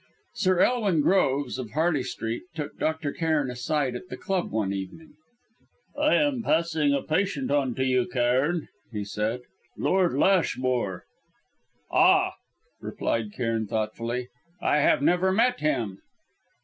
Sir Elwin Groves, of Harley Street, took Dr. Cairn aside at the club one evening. "I am passing a patient on to you, Cairn," he said; "Lord Lashmore." "Ah!" replied Cairn, thoughtfully. "I have never met him."